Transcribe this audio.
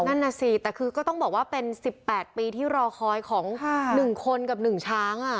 นั่นน่ะสิแต่คือก็ต้องบอกว่าเป็น๑๘ปีที่รอคอยของ๑คนกับ๑ช้าง